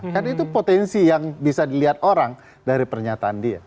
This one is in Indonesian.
karena itu potensi yang bisa dilihat orang dari pernyataan dia